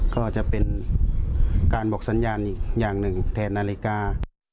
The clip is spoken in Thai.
ก็จะเป็นการบอกสัญญาณอีกอย่างหนึ่งแทนนาฬิกา